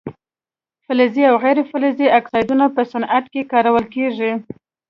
فلزي او غیر فلزي اکسایدونه په صنعت کې کارول کیږي.